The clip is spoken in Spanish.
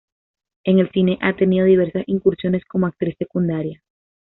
En el cine ha tenido diversas incursiones cómo actriz secundaria.